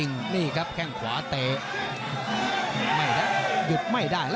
นี่ครับแข้งขวาเตไม่รับหยุดไม่ได้